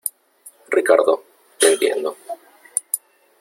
Ricardo , te entiendo .